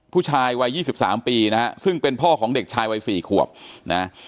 ผู้ชายวัย๒๓ปีนะฮะซึ่งเป็นพ่อของเด็กชายวัย๔ขวบนะ